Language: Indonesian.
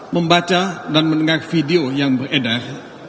membaca dan mendengar video yang beredar